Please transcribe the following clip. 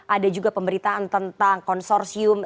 ada juga pemberitaan tentang konsorsium